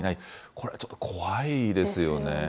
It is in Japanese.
これちょっと怖いですよね。